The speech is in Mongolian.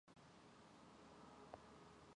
Энэ үед цэргүүд нь ирж гарыг нь хүллээ.